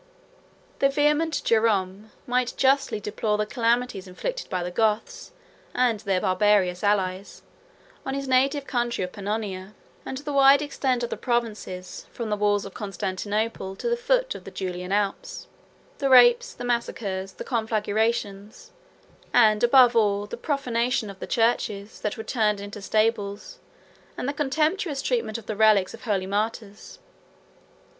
The vehement Jerom 101 might justly deplore the calamities inflicted by the Goths, and their barbarous allies, on his native country of Pannonia, and the wide extent of the provinces, from the walls of Constantinople to the foot of the Julian Alps; the rapes, the massacres, the conflagrations; and, above all, the profanation of the churches, that were turned into stables, and the contemptuous treatment of the relics of holy martyrs.